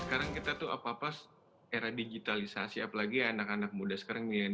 sekarang kita tuh apa apa era digitalisasi apalagi anak anak muda sekarang nih